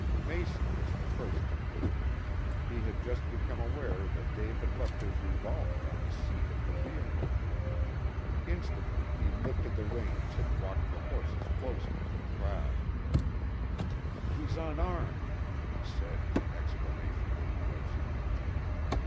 Mason was the first to move. He had just become aware that Dave had left his revolver on the seat of the vehicle. Instantly he lifted the reins and walked the horses closer to the crowd. "He's unarmed," he said, in explanation to the parson.